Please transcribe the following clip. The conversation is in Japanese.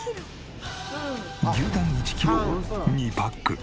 牛タン１キロを２パック。